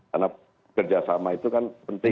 karena kerjasama itu kan penting